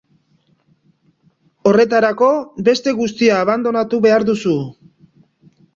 Horretarako, beste guztia abandonatu behar duzu.